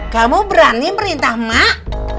kamu berani minta emak